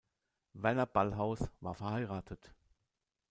Werner Ballhaus war verheiratet.